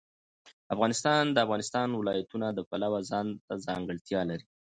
افغانستان د د افغانستان ولايتونه د پلوه ځانته ځانګړتیا لري.